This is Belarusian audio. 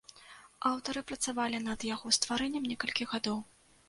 Аўтары працавалі над яго стварэннем некалькі гадоў.